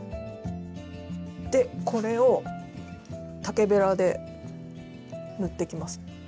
でこれを竹べらで塗ってきます。